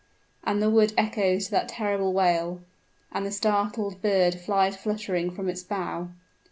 And the wood echoes to that terrible wail; and the startled bird flies fluttering from its bough.